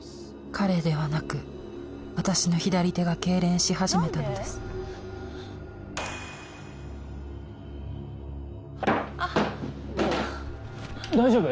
彼ではなく私の左手がけいれんしはじめたのです大丈夫？